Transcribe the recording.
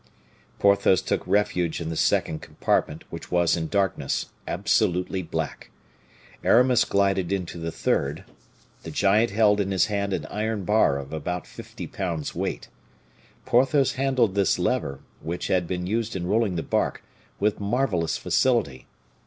Porthos took refuge in the second compartment, which was in darkness, absolutely black. Aramis glided into the third; the giant held in his hand an iron bar of about fifty pounds weight. Porthos handled this lever, which had been used in rolling the bark, with marvelous facility.